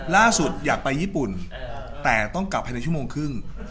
อยากไปญี่ปุ่นแต่ต้องกลับภายในชั่วโมงครึ่ง